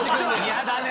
嫌だね！